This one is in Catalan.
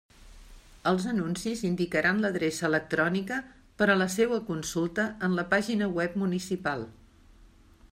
Els anuncis indicaran l'adreça electrònica per a la seua consulta en la pàgina web municipal.